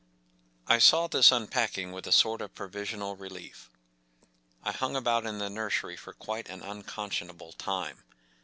I saw this unpacking with a sort of pro¬ visional relief. I hung about in the nursery for quite an unconscionable time.